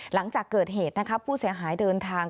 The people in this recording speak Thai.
หลังจากเกิดเหตุนะครับผู้เสียหายเดินทาง